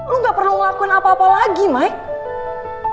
lu gak perlu ngelakuin apa apa lagi mike